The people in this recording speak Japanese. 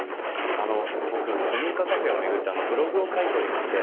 あの僕古民家カフェを巡ってブログを書いておりまして。